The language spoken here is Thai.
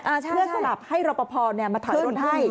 เชื่อสลับให้รอปภมาถอยรถให้